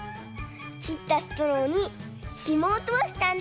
きったストローにひもをとおしたんだ。